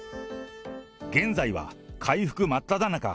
現在は回復真っただ中。